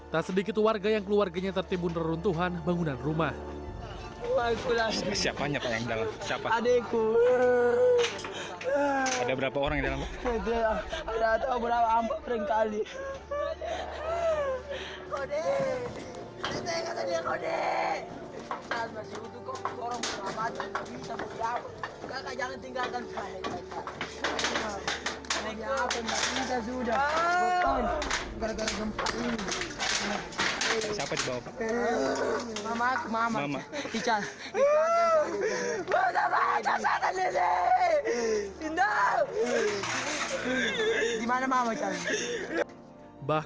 tak sedikit warga yang keluarganya tertimbun reruntuhan bangunan rumah